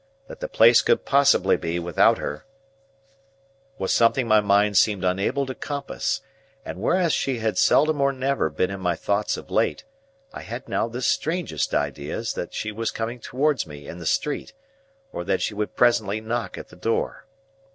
That the place could possibly be, without her, was something my mind seemed unable to compass; and whereas she had seldom or never been in my thoughts of late, I had now the strangest ideas that she was coming towards me in the street, or that she would presently knock at the door.